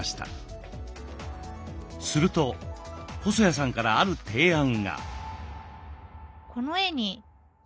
すると細谷さんからある提案が。